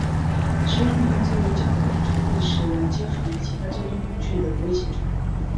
使用滑板作为交通工具会使玩家处于其他交通工具的危险中。